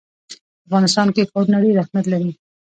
په افغانستان کې ښارونه ډېر اهمیت لري.